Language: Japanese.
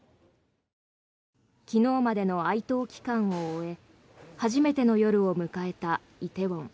昨日までの哀悼期間を終え初めての夜を迎えたイテウォン。